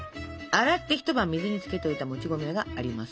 洗って一晩水につけておいたもち米があります。